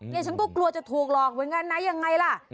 เนี่ยฉันก็กลัวจะถูกหรอกว่างั้นนะยังไงล่ะ